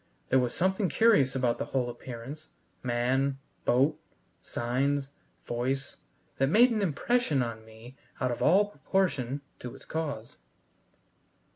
There was something curious about the whole appearance man, boat, signs, voice that made an impression on me out of all proportion to its cause.